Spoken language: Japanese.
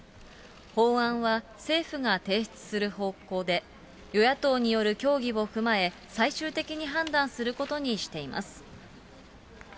法案は政府が提出する方向で、与野党による協議を踏まえ、最終的に判断することにしています。